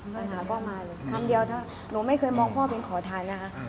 ปัญหาพ่อมาเลยคำเดียวถ้าหนูไม่เคยมองพ่อเป็นขอทานนะคะ